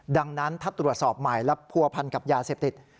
ดังนั้นถ้าตรวจสอบใหม่แล้วผัวพันกับยาเสพติด